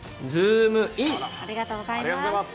ありがとうございます。